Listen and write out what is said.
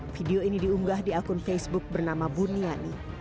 video ini diunggah di akun facebook bernama buniani